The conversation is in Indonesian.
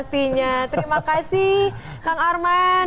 terima kasih kang arman